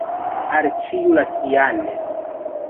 Al ĉiu la sian.